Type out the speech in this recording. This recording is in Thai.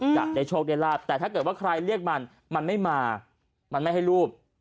จะได้โชคได้ลาบแต่ถ้าเกิดว่าใครเรียกมันมันไม่มามันไม่ให้รูป